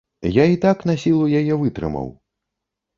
Я і так насілу яе вытрымаў.